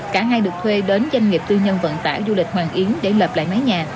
cả hai được thuê đến doanh nghiệp tư nhân vận tải du lịch hoàng yến để lập lại mái nhà